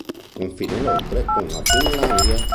Confina inoltre con la Finlandia.